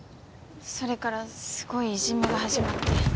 それからすごいいじめが始まって。